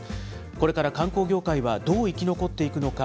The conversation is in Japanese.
これから観光業界はどう生き残っていくのか。